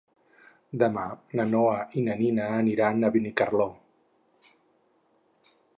Demà na Noa i na Nina aniran a Benicarló.